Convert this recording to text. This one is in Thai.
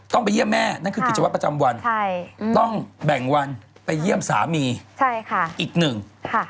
ต้องไปเยี่ยมแม่นั่นคือกิจวัตรประจำวันใช่ต้องแบ่งวันไปเยี่ยมสามีใช่ค่ะอีกหนึ่งค่ะ